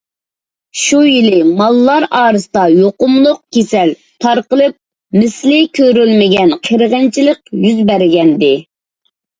شۇ يىلى ماللار ئارىسىدا يۇقۇملۇق كېسەل تارقىلىپ، مىسلى كۆرۈلمىگەن قىرغىنچىلىق يۈز بەرگەنىدى.